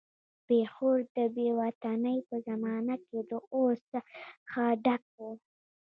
پېښور د بې وطنۍ په زمانه کې د اور څخه ډک وو.